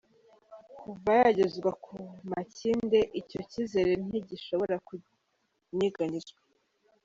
Kuva yagezwa Makindye icyo cyizere ntigishobora kunyeganyezwa.”